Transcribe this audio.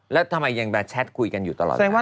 แล้วทำไมยังมาแชทคุยกันอยู่ตลอดเวลา